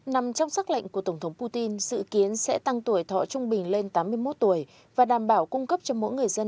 nằm trong sắc lệnh của tổng thống putin dự kiến sẽ tăng tuổi thọ trung bình lên tám mươi một tuổi và đảm bảo cung cấp cho mỗi người dân